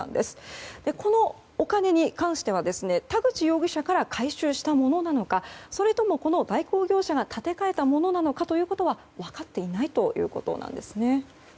このお金に関しては田口容疑者から回収したものなのかそれとも代行業者が立て替えたものなのかということは分かっていないということです。